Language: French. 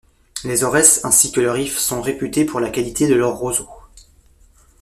Les Aurès ainsi que le Rif sont réputées pour la qualité de leurs roseaux.